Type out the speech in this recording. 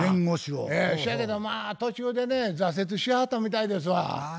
そやけどまあ途中でね挫折しはったみたいですわ。